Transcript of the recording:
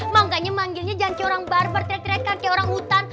mau gaknya manggilnya jangan kayak orang barbar tret tret kayak orang hutan